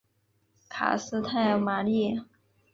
卡斯泰尔马里。